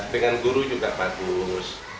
dengan guru juga bagus